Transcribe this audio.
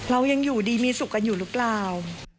เรายังอยู่ดีมีสุขกันอยู่หรือเปล่า